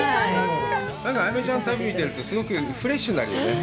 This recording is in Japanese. なんか彩芽ちゃんの旅見てるとすごくフレッシュになるよね。